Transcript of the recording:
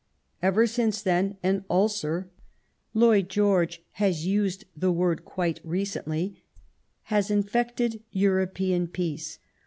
Ever since then an ulcer — Lloyd George has used the word quite recently — has infected European peace.